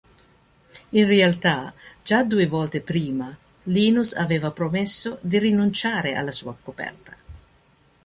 In realtà, già due volte prima Linus aveva promesso di rinunciare alla sua coperta.